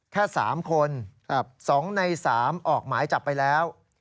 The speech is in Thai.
แค่๓คน๒ใน๓ออกหมายจับไปแล้ว